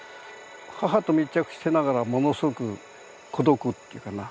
母と密着してながらものすごく孤独っていうかな。